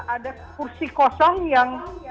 ada kursi kosong yang